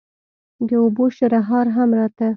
د اوبو شرهار هم راته.